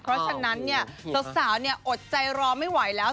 เพราะฉะนั้นเนี่ยสาวอดใจรอไม่ไหวแล้ว